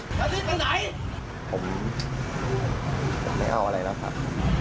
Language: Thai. ผมไม่เอาอะไรแล้วครับ